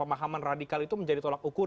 pemahaman radikal itu menjadi tolak ukur